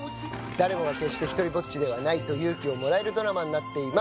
誰もが決してひとりぼっちではないと勇気をもらえるドラマになっています